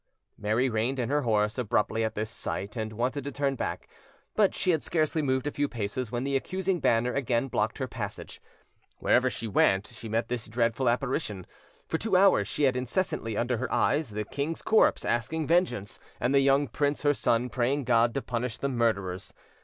Mary reined in her horse abruptly at this sight, and wanted to turn back; but she had scarcely moved a few paces when the accusing banner again blocked her passage. Wherever she went, she met this dreadful apparition. For two hours she had incessantly under her eyes the king's corpse asking vengeance, and the young prince her son praying God to punish the murderers.